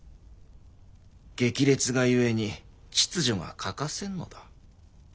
激烈がゆえに秩序が欠かせんのだ。